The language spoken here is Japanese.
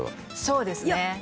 「そうですね」